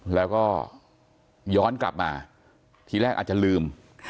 แล้วก็ย้อนกลับมาทีแรกอาจจะลืม